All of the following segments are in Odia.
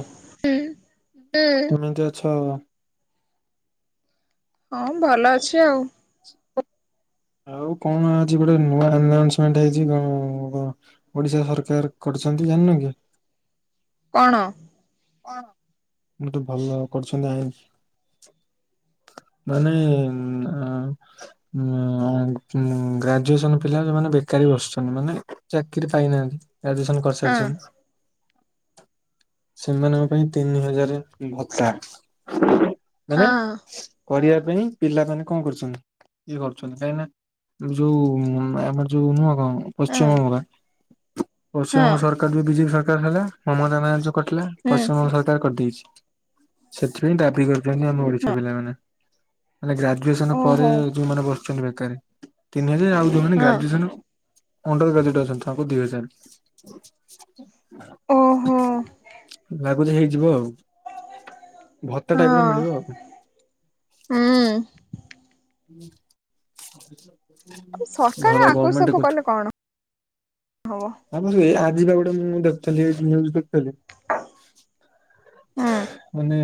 ଓ, ହୁଁ ହଁ ୁ କେମିତି ଅଛ? ହଁ, ଭଲ ଅଛି ଆଉ। [inaudible] ଆଉ କଣ ଆଛି ଗୋଟେ ନୂଆ ଆନାଉନ୍ସମେଣ୍ଟ ହେଇଛି କଣ କଅଁ? ଓଡିଶା ସରକାର କରିଛନ୍ତି ଜାଣିନ କି? କଣ? ଗୋଟେ ଭଲ କରୁଛନ୍ତି ଆଇନ ସ୍। ମାନେ ଅ ଉଁ ଗ୍ରାଜୁଏସନ ପିଲା ଯୋଉ ମାନେ ବେକାରୀ ବସଛନ୍ତି। ମାନେ ଚାକିରି ପାଇନାହାନ୍ତି। ଗ୍ରାଜୁଏସନ ହଁ କରିସାରିଛନ୍ତି। ସେମାନଙ୍କ ପାଇଁ ତିନି ହଜାର ଭତ୍ତା ମାନେ ହଁ କରିବା ପାଇଁ ପିଲାମାନେ କଣ କରୁଚନ୍ତି କି ଇଏ କରୁଛନ୍ତି। କାହିଁକି ନା ଯୋଉ ଆମର ଯୋଉ ନୁହ ହଁ ପଶ୍ଚିମବଙ୍ଗ ହଁ ପଶ୍ଚିମବଙ୍ଗ ସରକାର। ବିଜେପି ସରକାର ହେଲା। ମମତା ବାନାର୍ଜୀ କଟିଲା। ହୁଁ ପଶ୍ଚିମବଙ୍ଗ ସରକାର କରିଦେଇଛି। ସେଥିପାଇଁ ଦାବି କରିଚନ୍ତି, ଆମ ଓଡିଶା ପିଲାମାନେ। ମାନେ, ଗ୍ରାଜୁଏସନ ପରେ ଓହୋ ଯୋଉ ମାନେ ବସୁଛନ୍ତି ବେକାରୀ ତିନି ହଜାର। ଆଉ ଯୋଉ ମାନେ ହଁ ଗ୍ରାଜୁଏସନ ଅଣ୍ଡର ଗ୍ରାଜୁଏଟ ଅଛନ୍ତି, ତାକୁ ଦୁଇ ହଜାର। ଓହୋ। ଲାଗୁଛି ହେଇଯିବ ଆଉ ଭତ୍ତା ହଁ ଟାଇପ ର ମିଳିବ ଆଉ। ହୁଁ ହଁ [unintelligible] ସରକାର ଧର ଆକୁ ଗମେଣ୍ଟ ସବୁ କଠୁ। କଲେ କଣ ହବ ଅମୁଲି ରେ ଆଜି ବା ଗୋଟେ ମୁଁ ଦେଖୁଥିଲି କଦେଖୁଥିଲି। ହୁଁ ମାନେ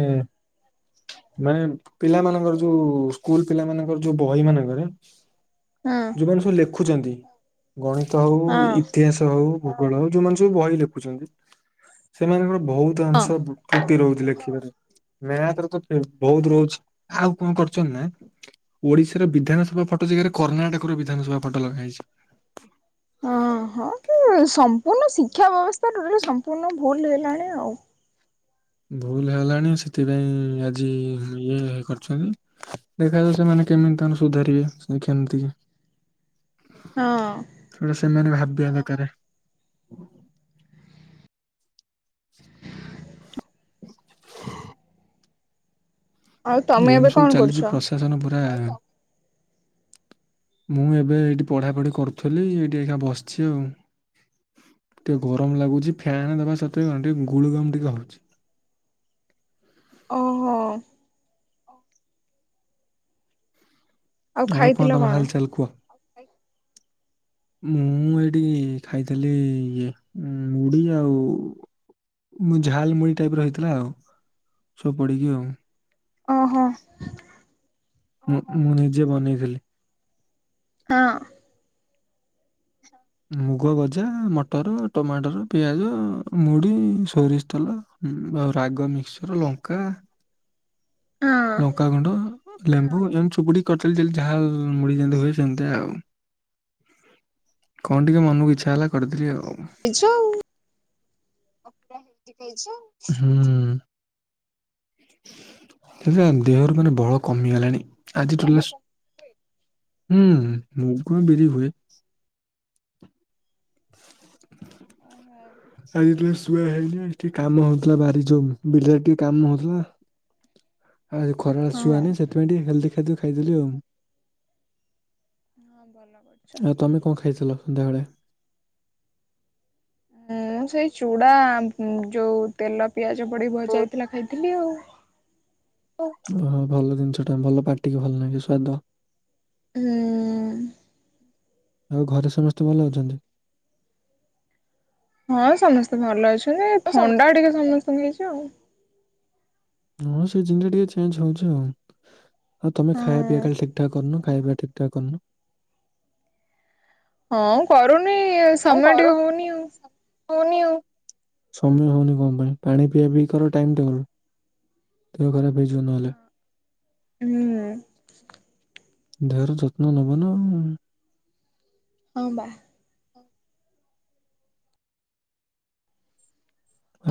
ମାନେ ପିଲା ମାନଙ୍କର ଯୋଉ ସ୍କୁଲ ପିଲା ମାନଙ୍କ ଙ୍କର ଯୋଉ ବହି ମାନଙ୍କରେ ହଁ। ଯୋଉମାନେ ସବୁ ଲେଖୁଚନ୍ତି। ଗଣିତ ହଉ, ହଁ ଇତିହାସ ହଉ, ଭୂଗୋଳ ହଉ, ଯୋଉମାନେ ସବୁ ବହି ଲେଖୁଛନ୍ତି। ସେମାନଙ୍କର ବହୁତ ହଁ ଅଂଶ ତୃଟି ରହୁଛି ଲେଖିବାରେ। ମ୍ୟାପରେ ତ ବହୁତ ରହୁଛି। ଆଉ କଣ କରୁଛନ୍ତି ନା ଓଡିଶାର ବିଧାନସଭା ଫଟୋ ଜାଗାରେ, କର୍ଣ୍ଣାଟକର, ବିଧାନସଭା ଫଟୋ ଲଗା ହେଇଛି। ହଁ, ହଁ ସେ ସମ୍ପୂର୍ଣ୍ଣ ଶିକ୍ଷା ବ୍ୟବସ୍ଥା ସମ୍ପୂର୍ଣ୍ଣ ଭୁଲ୍ ହେଲାଣି ଆଉ। ଭୁଲ ହେଲାଣି ସେଥିପାଇଁ ଆଜି ଇଏ କରିଚନ୍ତି। ଦେଖାଯାଉ ସେମାନେ କେମିତି ତାଙ୍କର ସୁଧାରିବେ ଶିକ୍ଷା ନିତି। ହଁ। ସେମାନେ ଭାବିବା ଦରକାରେ [inaudible] [inaudible] ଆଉ ତମେ ଏବେ ଏମିତି କଣ ସବୁ କରୁଛ ଚାଲିଛି ପ୍ରଶାସନ ପୁରା ମୁଁ ଏବେ ଏଇଠି ପଢ଼ାପଢ଼ି କରୁଥିଲି ଏଇଠି ଏକା ବସିଛି ଆଉ। ଟିକେ ଗରମ ଲାଗୁଛି ଫ୍ୟାନ୍ ଦବା ସତ୍ତ୍ୱେ କଣ ଟିକେ ଗୁଳ ଗମ୍ ଟିକେ ହଉଚି। ହୋ ଆଉ କଣ ତମ ହାଲ୍ ଚାଲ୍ କୁହ। ମୁଁ ଏଇଠି ଖାଇଥିଲି ଇଏ ଉଁ ମୁଢି ଆଉ ମୁଁ ଝାଲ୍ ମୁଡ଼ି ଟାଇପ୍ ର ହେଇଥିଲା ଆଉ ସବୁ ପଡିକି ଆଉ। ଓହୋ। ମୁଁ ମୁଁ ନିଜେ ବନେଇଥିଲି। ହଁ। ମୁଗ ଭଜା ମଟର ଟମାଟର ପିଆଜ ମୁଢି ସୋରିଷ ତେଲ ଉଁ ଆଉ ରାଗ ମିକ୍ସଚର୍ ଲଙ୍କା ହଁ ଲଙ୍କାଗୁଣ୍ଡ ଲେମ୍ବୁ ଏମ୍ ଚୁପୁଡ଼ି କରିଥିଲି ଯେ ଯାହା ମୁଢ଼ି ଯେମ୍ତି ହୁଏ ସେମିତି ଆଉ। କଣ ଟିକେ ମନକୁ ଇଚ୍ଛା ହେଲା କରିଦେଲି ଆଉ। ଇଛଉ ହୁଁ। [unintelligible] ଦେହରୁ ମାନେ ବଳ କମିଗଲାଣି ଆଜି ଠୁ ହୁଁ ମୁଗ ବିରି ହୁଏ। ଓ ହୋ। ଆଜି ଟିକେ ଶୁଆ ହେଇନି ଆଜି ଟିକେ କାମ ହଉଥିଲା ବାରି ଯୋଉ ବିଲରେ ଟିକେ କାମ ହଉଥିଲା ଆଉ ଏ ଖରାଳେ ହଁ ଶୁଆ ନାଇ ସେଥିପାଇଁ ଟିକେ ହେଲ୍ଦି ଖାଦ୍ୟ ଖାଇଦେଲି ଆଉ। ହଁ ଭଲ କରିଛ ଆଉ ତମେ କଣ ଖାଇଥିଲ ସନ୍ଧ୍ୟାବେଳେ? ଉଁ ମୁଁ ସେଇ ଚୁଡ଼ା ଉଁ ଯୋଉ ତେଲ ପିଆଜ ପଡି ଭଜା ହେଇଥିଲା ଖାଇଥିଲି ଆଉ। ଓ ହ ଭଲ ଜିନିଷ ଟା ଭଲ ପାଟିକି ଭଲ ଲାଗେ ସ୍ଵାଦ ହୁଁ। ଆଉ ଘରେ ସମସ୍ତେ ଭଲ ଅଛନ୍ତି? ହଁ ସମସ୍ତେ ଭଲ ଅଛନ୍ତି ଏ ଥଣ୍ଡା ଟିକେ ସମସ୍ତଙ୍କୁ ହେଇଚି ଆଉ। ହଁ ସିଜିନ୍ ଟା ଟିକେ ଚେଞ୍ଜ ହଉଛି ଆଉ ଆଉ ତମେ ଖାଇବା ପିଇବା ହଁ କାଲି ଠିକ୍ ଠିକ୍ ଠାକ୍ କରୁନ ଖାଇବା ପିଇବା ଠିକ୍ ଠାକ୍ କରୁନ। ହଁ କରୁନି ଉ ସମୟ ଟିକେ ହଉନି ଆଉ। ସମୟ ହଉନି କଣ ପାଇଁ ପାଣି ପିଆ ପି କର ଟାଇମ୍ ଟେବୁଲ୍ ଦେହ ଖରାପ ହେଇଯିବ ନହେଲେ। ହୁଁ। ଦେହର ଯତ୍ନ ନବନା ଉ। ହଁ ବା।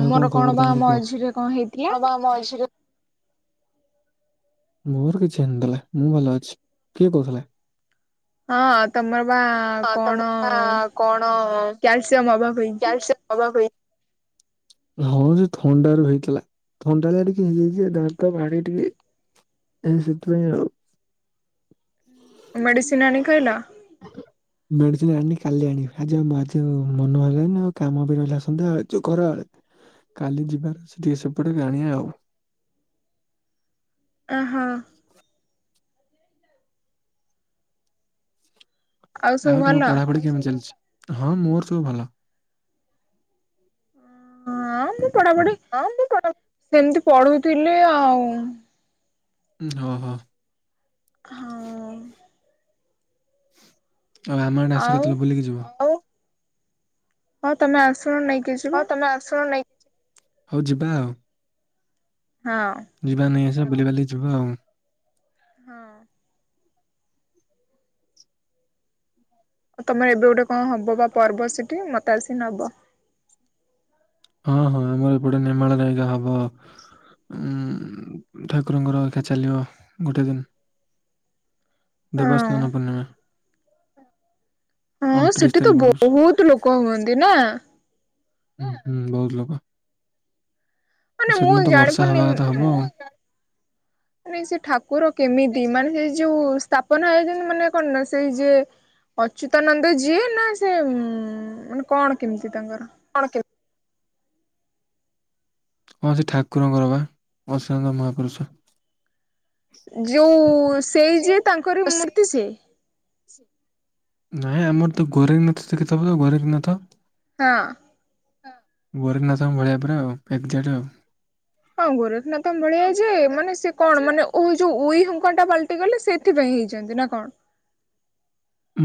ଆଉ କଣ ଖବର ବା ତମର ମଝିରେ କଣ ହେଇଥିଲା? କୁହ। ମୋର କିଛି ହେଇନ୍ ଥଲା ଭଲା ମୁଁ ଭଲ ଅଛି। କିଏ କହୁଥିଲା? ହଁ ତମର ବା କଣ କ୍ୟାଲସିୟମ୍ ଅଭାବ ହେଇଚି। ଅବା ପାଇଁ ହଁ ସେ ଥଣ୍ଡାରୁ ହେଇଥିଲା ଥଣ୍ଡାଟା ଟିକେ ହେଇଯାଇଛି ଦାନ୍ତ ମାଢି ଟିକେ ଏ ସେଥିପାଇଁ ଆଉ। ମେଡିସିନ୍ ଆଣି ଖାଇଲ? ମେଡିସିନି ଆଣିନି କାଲି ଆଣିବି ଆଜି ଆଉ ମା [unintelligible] ମନ ହେଲାନି ଭଲ ଆଉ କାମ ବି ରହିଲା ସନ୍ଧ୍ୟାବେଳେ ଯୋ ଖରାବେଳେ କାଲି ଯିବାର ଅଛି ଟିକେ ସେପଟେ ଆଣିବା ଆଉ। ଅ ହୋ। ସବୁ ଆଉ ଭଲ? ତମ ପଢାପଢି କେମିତି ଚାଲିଛି? ହଁ ମୋର ସବୁ ଭଲ। ହଁ ମୁଁ ପଢାପଢି ସେମତି ପଢୁଥିଲି ଆଉ ହ ହ। ହଁ। ଆଉ ଆମ ଆଡ଼େ ଆସ ଆଉ କେତେବେଳେ ବୁଲିକି ଯିବ। ହଁ ତମେ ଆସୁନ ନେଇ ହଉ ଯିବା ଆଉ। ହଁ। ଯିବା ନେଇ ଆସିବା ବୁଲିିବାଲି ଯିବ ଆଉ। ହଁ। ତମେ ଏବେ ଗୋଟେ କଣ ହବ ବା ପର୍ବ ସେଠି ମତେ ଆସି ନବ। ହଁ ହଁ ଆମର ଏପଟେ ନିର୍ମାଳ ନାଇଗା ହବ। ଉଁ-ଉ-ଉ ଠାକୁରଙ୍କର ଏଇଖା ଚାଲିବ ଗୋଟେ ଦିନ। ହଁ। ଦେବସ୍ନାନ ପୂର୍ଣ୍ଣିମା। ହଁ ଅଣତିରିଶ ସେଠି ତ ତାରିଖ ପଡୁଛି। ବହୁତ ଲୋକ ହୁଅନ୍ତି ନା? ଉ ହୁଁ ବହୁତ ଲୋକ। ନା ମୁଁ ସେଦିନ ଏଇ ତ ଜାଣି ବର୍ଷା ହେବା ପାରୁନି କଥା ହବ ଆଉ ଉଁ-ଉଁ-ଉ ମାନେ ସେ ଠାକୁର କେମିତି, ମାନେ ସେ ଯୋଉ ସ୍ଥା ପନା ହେଇଛନ୍ତି ମାନେ କଣ ନା ସେଇ ଯିଏ ଅଚ୍ୟୁତାନନ୍ଦ ଯିଏ ନା ସେ ଉଁ-ଉ-ଉ-ଉ ମାନେ କଣ କେମିତି ତାଙ୍କର? କଣ କେମ୍ ହଁ ସେ ଠାକୁରଙ୍କର ବା ଅସ୍ୟୁନ ମହାପୁରୁଷ। ଯୋଉ-ଉ-ଉ-ଉ ସେଇ ଯିଏ ତାଙ୍କର ମୂର୍ତ୍ତି ସିଏ? ନାଇଁ ଆମର ତ ଗୋରେଖ ନାଥ ସେଠି ଥିବ ଗୋରେଖନାଥ? ହଁ। ଗୋରେଖନାଥଙ୍କ ଭଳିଆ ପୁରା ଆଉ ଏକଯାଟ ଆଉ। ହଁ ଗୋରେଖନାଥଙ୍କ ଭଳିଆ ଯେ, ମାନେ ସେ କଣ? ମାନେ ଓ ଯୋଉ ଉଇ ହୁଙ୍କା ଟା ପାଲଟି ଗଲେ ସେ ଥିପାଇଁ ହେଇଛନ୍ତି ନା କଣ?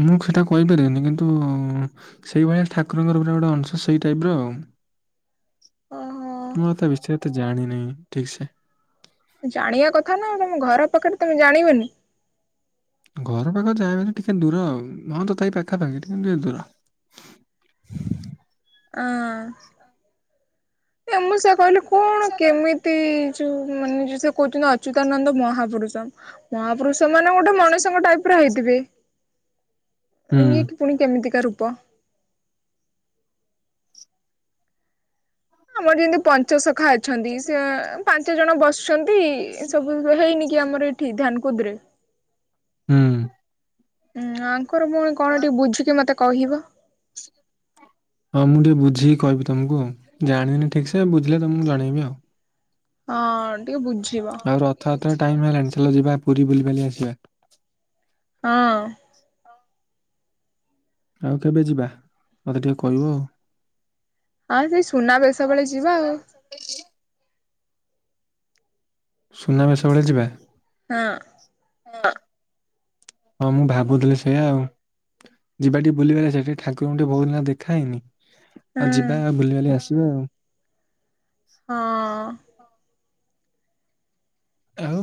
ମୁଁ ସେଟା କହିପାରିବିନି କିନ୍ତୁ-ଉ-ଉ ସେଇଭଳିଆ ଠାକୁରଙ୍କର ଗୋଟେ ଗୋଟେ ଅଂଶ ସେଇ ଟାଇପ ର ଆଉ। ଓହୋ। ମୁଁ ଆଉ ତା ବିଷୟରେ ଏତେ ଜାଣିନାହିଁ ଠିକ୍ ସେ। ଜାଣିବା କଥା ନା ଆଉ ତମ ଘର ପାଖରେ ତମେ ଜାଣିବନି। ଘର ପାଖ ଯାହାବି ହେଲେ ଟିକେ ଦୂର ଆଉ। ହଁ ତଥାପି ପାଖାପାଖି କିନ୍ତୁ ଟିକେ ଦୂର। ହଁ। ନାଇ ମୁଁ ସେଇଆ କହିଲି କଣ କେମିତ୍ ତି-ଇ-ଇ-ଇ ଯୋଉ ମାନେ ଯୋଉ ସେ କହୁଛନ୍ତି ଅଚ୍ୟୁତାନନ୍ଦ ମହାପୁରୁଷ ମହାପୁରୁଷ ମାନେ ଗୋଟେ ମଣିଷଙ୍କ ଟାଇପ ର ହେଇଥିବେ। ହୁଁ ଇଏ କି ପୁଣି କେମିତିକା ରୂପ। ଆମର ଯେମିତି ପଞ୍ଚସଖା ଅଛନ୍ତି। ସେ ପାଞ୍ଚ ଜଣ ବସ୍ ଇଛନ୍ତି ସବୁ ହେଇନି କି ଆମର ଏଠି ଧ୍ୟାନ କୁଦ ରେ ହୁଁ। ହୁଁ ଆଙ୍କର ପୁଣି କଣ ଟିକେ ବୁଝିକି ମତେ କହିବ। [inaudible] ହଁ ମୁଁ ଟିକେ ବୁଝିକି କହିବି ତମକୁ ଆଉ। ଜାଣିନି ଠିକ ସେ ବୁଝିଲେ ତମକୁ ଜଣେଇବି ଆଉ। ହଁ ଟିକେ ବୁଝିବ। ଆଉ ରଥଯାତ୍ରା ଟାଇମ ହେଲାଣି। ଚାଲ ଯିବା ପୁରୀ ବୁଲିିବାଲି ଆସିବା। ହଁ। ଆଉ କେବେ ଯିବା? ମୋତେ ଟିକେ କହିବ ଆଉ। ହଁ ସେଇ ସୁନାବେେଶ ବେଳେ ଯିବା ଆଉ। ସୁନାବେଶ ବେଳେ ଯିବା? ହଁ। ହଁ ମୁଁ ଭାବୁଥିଲି ସେଇୟା ଆଉ। ଯିବା ଟିକେ ବୁଲିବାଲି ଆସିଆ କି ଠାକୁରଙ୍କୁ ଟିକେ ବହୁତ ଦେଖା ହେଇନି ହଁ ଆଉ ହୁଁ ଯିବା ଆଉ ବୁଲିବାଲି ଆସିବା ଆଉ। ହଁ। ଆଉ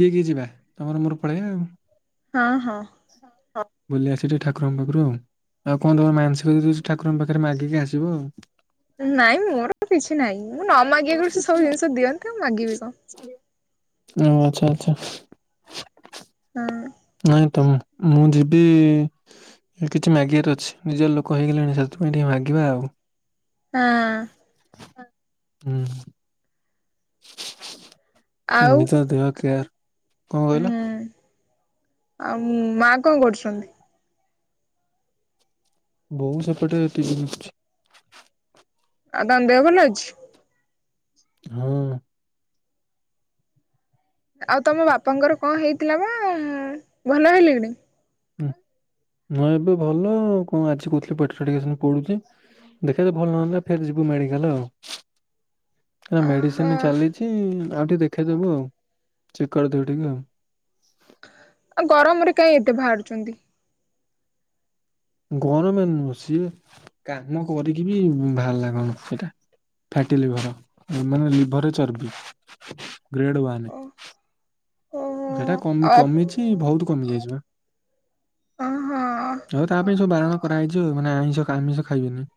କିଏ କିଏ ଯିବା ତମର ମୋର ପଳେଇବା ଆଉ। ହଁ ହଁ। ବୁଲି ଆସିି ଯ ଠାକୁରଙ୍କ ପାଖରୁ ଆଉ। ଆଉ କଣ ତମ ମାନସିକ ଯଦି ଅଛି ଠାକୁରଙ୍କ ପାଖରେ ମାଗିକି ଆସିବ ଆଉ। ନାଇଁ ମୋର କିଛି ତ ନାହିଁ ମୁଁ ନ ମାଗିକି ବି ସେ ସବୁ ଜିନିଷ ଦିଅନ୍ତି ଆଉ ମାଗିବି କଣ। ଓ ଆଚ୍ଛା ଆଚ୍ଛା। ହଁ। ନାଇଁ ତ ମୁଁ ଯିବି କିଛି ମାଗିବାର ଅଛି ନିଜ ର ଲୋକ ହେଇଗଲେଣି ସେଥିପାଇଁ ଟିକେ ମାଗିବା ଆଉ। ହଁ। ହୁଁ। ଆଉ ନିଦ ଦେହ କେୟାର କଣ କହିଲ। ହୁଁ ଆଉ ମା କଣ କରୁଛନ୍ତି। ବୋଉ ସେପଟେ ଟିଭି ଦେଖୁଛି। ଆଉ ତାଙ୍କ ଦେହ ଭଲ ଅଛି। ହୁଁ। ଆଉ ତମ ବାପାଙ୍କର କଣ ହେଇଥିଲା ବା ଭଲ ହେଲେଣି। ହଁ ଏବେ ଭଲ କଣ ଆଜି କହୁଥିଲେ ପେଟରେ ଟିକେ ସେମିତି ପୋଡୁଛି। ଦେଖାଯାଉ ଭଲନହେଲେ ଫେର ଯିବୁ ମେଡ଼ିକାଲ ଆଉ। ଆ ଓହୋ ମେଡ଼ିସିନ ଚାଲିଛି ଆଉ ଟିକେ ଦେଖଇଦବୁ ଆଉ ଚେକ୍ କରିଦେବୁ ଟିକେ ଆଉ। ଆ ଗରମରେ କାଇଁ ଏତେ ବାହାରୁଛନ୍ତି। ଗରମରେ ନୁହଁ ସିଏ କାମ କରିକି ବି ଭାରିଲା କଣ ସେଟା। ଫାଟି ଲିଭର ମାନେ ଲିଭରରେ ଚର୍ବି ଗ୍ରେଡ ୱାନ୍। ଓହୋ ସେଟା କ ଓହୋ କମିଛି ବହୁତ କମି ଯାଇଛି ବା। ଓହୋ ହଉ ତା ପାଇଁ ସବୁ ବାରଣ କରାଯାଇଛି ଆଉ ମାନେ ଆଇଁସ ଆମିଷ ଖାଇବେନି।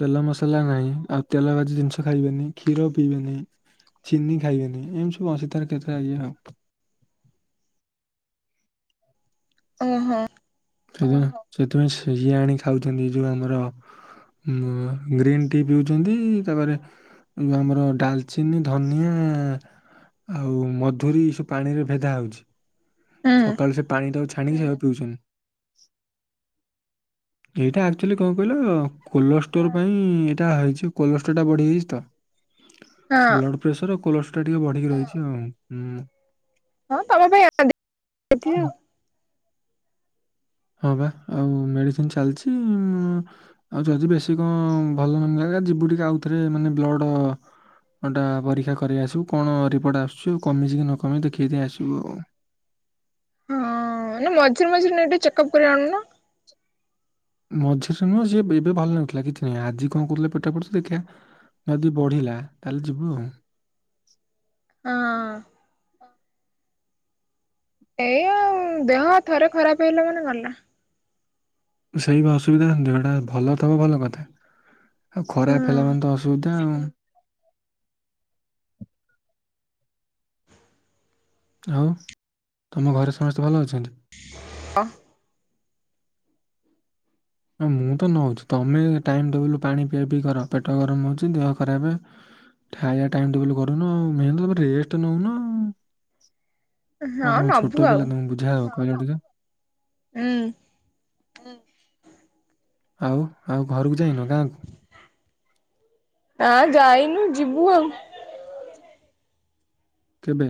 ତେଲ ମସଲା ନାହିଁ ଆଉ ତେଲ ବାଜି ଜିନିଷ ଖାଇବେନି କ୍ଷୀର ପିଇବେନି। ଚିନି ଖାଇବେନି ଏମତି ସବୁ ଅଛି ତାର କେତେ ଇଏ ଆଉ। ଓହୋ। [unintelligible] ସେଥିପାଇଁ ଇଏ ଆଣି ଖାଉଛନ୍ତି ଯୋଉ ଆମର ଗ୍ରୀନ୍ ଟି ପିଉଛନ୍ତି ତାପରେ ଏ ଯଉ ଆମର ଡାଲଚିନି ଧନିଆ ଆଉ ମଧୁରୀ ଏ ସବୁ ପାଣିରେ ଭେଦା ହେଉଛି। ସକାଳୁ ସେ ପାଣି ଟାକୁ ଛାଣିକି ସେୟାକୁ ପିଉଛନ୍ତି। ଏଇଟା ଆକ୍ଚୁଆଲି କଣ କହିଲ କୋଲଷ୍ଟୋର ପାଇଁ ଏଇଟା ହେଇଛି କୋଲଷ୍ଟୋର ଟା ବଢିଯାଇଛି ତ ହଁ ବ୍ଲଡ ପ୍ରେସର ଆଉ କୋଲଷ୍ଟ୍ରୋଲ ଟିକେ ବଢିକି ରହିଛି ଆଉ ହୁଁ। ହଁ ତମ ପାଇଁ [unintelligible] ହଁ ବା ଆଉ ମେଡିସିନ ଚାଲିଛି ଆଉ ଯଦି ବେଶୀ କଣ ଭଲ ନଲାଗିଲା ଯିବୁ ଟିକେ ଆଉଥରେ ମାନେ ବ୍ଲଡ଼ ଟା ପରୀକ୍ଷା କରି ଆସିବୁ କଣ ରିପୋର୍ଟ ଆସୁଛି କମିଛି କି ନକମିଛି ଦେଖେଇ ଦେଇ ଆସିବୁ ଆଉ। ହଁ ଏଇ ମଝିରେ ମଝିରେ ନେଇ ଟିକେ ଚେକଅପ୍ କରେଇ ଆଣୁନ। ମଝିରେ ନୁହଁ ସେ ଏବେ ଭଲ ନାଗୁଥିଲା କିଛି ନୁହଁ ଆଜି କଣ କରୁଥିଲେ ପେଟ ପୋଡୁଛି ଦେଖିଆ ଯଦି ବଢ଼ିଲା ତାହେଲେ ଯିବୁ ଆଉ। ହଁ। ଏଇ ଆଉ ଦେହ ଥରେ ଖରାପ ହେଲା ମାନେ ଗଲା। ସେଇବା ଅସୁବିଧା ଦେହଟା ଭଲ ଥବ ଭଲ କଥା। ଆଉ ଖରାପ ହେଲା ମାନେ ହୁଁ ତ ଅସୁବିଧା ଆଉ। ଆଉ ତମ ଘରେ ସମସ୍ତେ ଭଲ ଅଛନ୍ତି। [inaudible] ହଁ ମୁଁ ତ ନୋଉଚି ତମେ ଟାଇମ୍ ଟେବୁଲ ପାଣି ପିଆ ପିଇ କର। ପେଟ ଗରମ ହୋଉଚି ଦେହ ଖରାପେ ଖାଇବା ଟାଇମ୍ ଟେବୁଲ କରୁନ ଆଉ। ମେନ୍ ତ ତମେ ରେଷ୍ଟ ନୋଉନ ଆଉ। କଣ ହଁ ତମେ ନବୁ ଛୋଟ ଆଉ ପିଲା ତମକୁ ବୁଝାହବ କହିଲ ଟିକେ। ହୁଁ। ଆଉ ଆଉ ଘରକୁ ଯାଇନ ଗାଁକୁ? ନାଁ ଯାଇନୁ ଯିବୁ ଆଉ। କେବେ?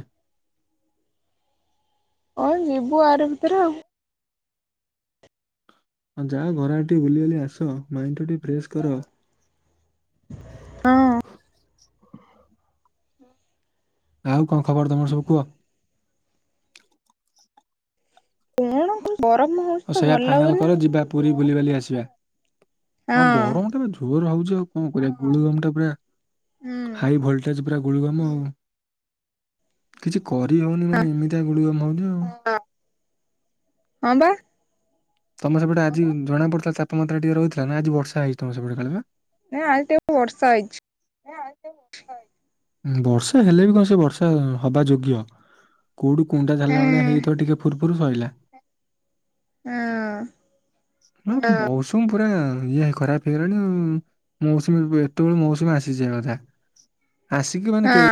ହଁ ଯିବୁ ଆରି ଭିତରେ ଆଉ। ହଁ ଯାଅ ଘରଆଡେ ଟିକେ ବୁଲି ବାଲି ଆସ ମାଇଣ୍ଡ ଟା ଟିକେ ଫ୍ରେଶ କର। ହଁ। ଆଉ କଣ ଖବର ତମର ସବୁ କୁହ? କଣ ଗରମ ହୋଉଚି ତ ଭଲ ଲାଗୁନି ଆଉ। ପୁରି ବୁଲିିବାଲି ଆସିବା। ହଁ ଗରମଟା ପା ଜୋରେ ହୋଉଚି ଆଉ। କଣ କରିବା ଗୁଳୁ ରୁମଟା ପୁରା ହୁଁ। High voltage. ପୁରା ଗୁଳୁଗମ ଆଉ କିଛି କରି ହୋଉନି ମାନେ ହଁ ଏମିତିଆ ଗୁଳୁଗମ ହୋଉଚି ଆଉ। ହଁ ପା। ତମ ସେପଟେ ଆଜି ଜଣା ପଡିଥିଲା ତାପମାତ୍ରା ଟିକେ ରହୁଥିଲା ନା ଆଜି ବର୍ଷା ହେଇଥିବ ସେପଟେ କାଳେ ପା? ଏ ଆଜି ଟିକେ ବର୍ଷା ହେଇଚି। ଉଁ ବର୍ଷା ହେଲେ ବି କଣ ସେ ବର୍ଷା ହବା ଯୋଗ୍ୟ। କୋଉଠୁ କୁଣ୍ଡା ହଁ ଝାଡିଲା ଭଳିଆ ହେଇଯାଇଥିବ ଟିକେ ଫୁୁରଫୁର ସଇଲା। ଏଁଅ। ହଁ ମୌସୁମୁ ପୁରା ଇଏ ଖରାପ ହେଇଗଲାଣି ଆଉ। ମୌସୁମୀ ଏତେବେଳୁ ମୌସୁମୀ ଆସି ଖୁସି ହବ କଥା ଆସିକି ମାନେ ହଁ। କେ